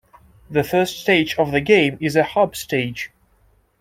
The first stage of the game is a hub stage.